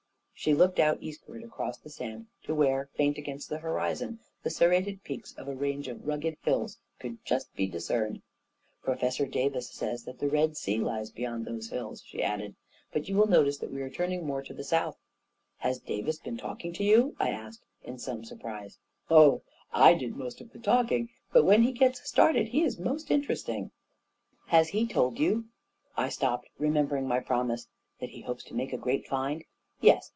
She looked out eastward across the sand to where, faint against the horizon, the serrated peaks of a range of rugged hills could just be discerned. 44 Professor Davis says that the Red Sea lies be A KING IN BABYLON 133 yond those hills," she added. " But you will notice that we are turning more to the south." " Has Davis been talking to you f" I asked in some surprise. 44 Oh, I did most of the talking; but when he gets started, he is most interesting." 44 Has he told you ..." I stopped, remembering my promise. 44 That he hopes to make a great find? Yes.